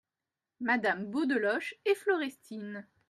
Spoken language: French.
Madame Beaudeloche et Florestine.